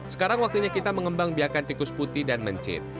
sekarang waktunya kita mengembang biakan tikus putih dan mencit